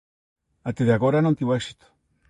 Até de agora non tivo éxito.